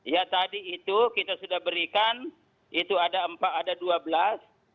ya tadi itu kita sudah berikan itu ada empat ada dua belas